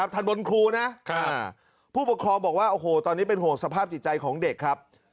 ทันบนครูนะผู้ปกครองบอกว่าโอ้โหตอนนี้เป็นห่วงสภาพจิตใจของเด็กครับ